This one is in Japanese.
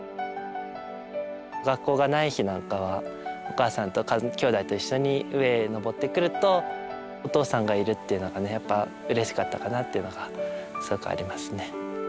学校がない日なんかはお母さんとかきょうだいと一緒に上へ登ってくるとお父さんがいるっていうのがやっぱうれしかったかなっていうのがすごくありますね。